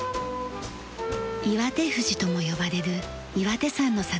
岩手富士とも呼ばれる岩手山の撮影です。